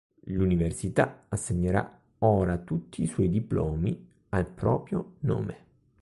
L'università assegnerà ora tutti i suoi diplomi a proprio nome.